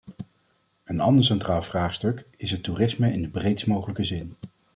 Een ander centraal vraagstuk is het toerisme in de breedst mogelijke zin.